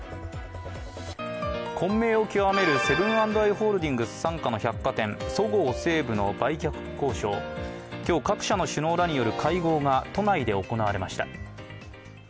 混迷を極めるセブン＆アイ・ホールディングスの傘下の百貨店そごう・西武の売却交渉、今日、各社の首脳らによる会合が都内で行われました。